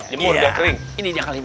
dimur dia kering